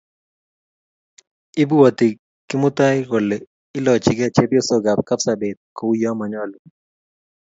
Ibwoti Kimutai kole ilochigei chepyosok ab Kapsabet kouyo manyolu